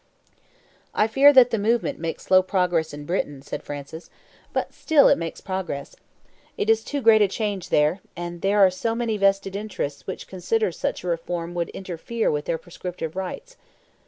"I hear that the movement makes slow progress in Britain," said Francis, "but still it makes progress. It is too great a change there, and there are so many vested interests which consider such a reform would interfere with their prescriptive rights.